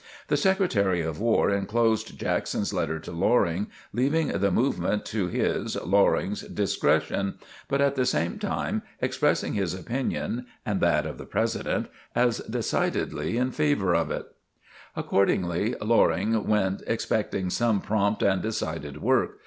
The Secretary of War enclosed Jackson's letter to Loring, leaving the movement to his (Loring's) discretion, but at the same time expressing his opinion and that of the President, as decidedly in favor of it. Accordingly Loring went expecting some prompt and decided work.